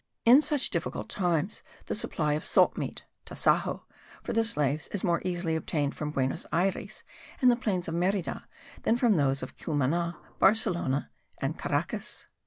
In such difficult times the supply of salt meat (tasajo) for the slaves is more easily obtained from Buenos Ayres and the plains of Merida than from those of Cumana, Barcelona and Caracas.